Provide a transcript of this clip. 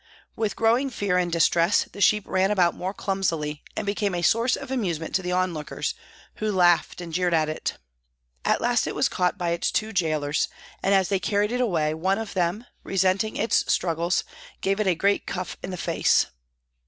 With growing fear and distress the sheep ran about more clumsily and became a source of amusement to the onlookers, who laughed and jeered at it. At last it was caught by its two gaolers, and as they carried it away one of them, resenting its struggles, gave it a great cuff in the face.